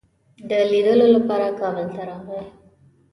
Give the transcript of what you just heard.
د لیدلو لپاره کابل ته راغی.